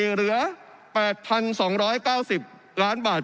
เหลือ๘๒๙๐ล้านบาท